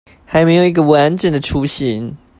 還沒有一個完整的雛型